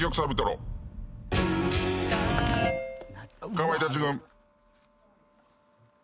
かまいたち軍。